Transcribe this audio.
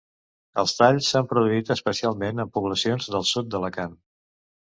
Els talls s’han produït especialment en poblacions del sud d’Alacant.